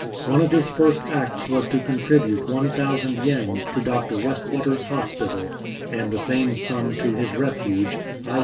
One of his first acts was to contribute 1000 }cn to Dr. Westwater's hospital and the same sum to his refuge, i.